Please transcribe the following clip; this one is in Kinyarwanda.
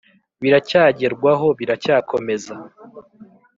biracyagerwaho, biracyakomeza,